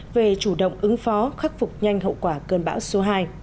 về chủ động ứng phó khắc phục nhanh hậu quả cơn bão số hai